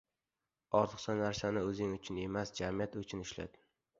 Ortiqcha narsangni oʻzing uchun emas, jamiyat uchun ishlat.